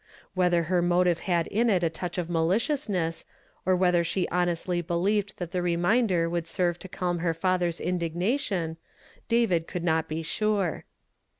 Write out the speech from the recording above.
Whether her motive had in it a touch of mali ciousness, or whether she honestly believed that the reminder would serve to calm her father's indignation, David could not be sure.